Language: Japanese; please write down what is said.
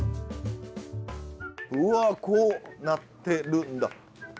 うわこうなってるんだ。